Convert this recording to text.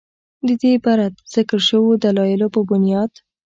ددې بره ذکر شوو دلايلو پۀ بنياد